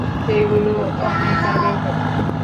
এগুলো অনেক আগের কথা।